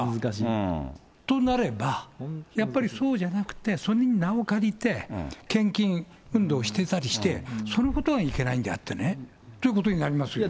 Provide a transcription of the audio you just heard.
となれば、やっぱりそうじゃなくて、それに名を借りて、献金運動をしてたりして、そのことがいけないんであってね、ということになりますよね。